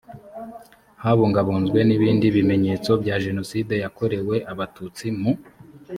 habungabunzwe n ibindi bimenyetso bya jenoside yakorewe abatutsi mu